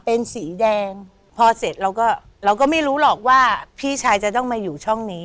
เป็นสีแดงพอเสร็จเราก็เราก็ไม่รู้หรอกว่าพี่ชายจะต้องมาอยู่ช่องนี้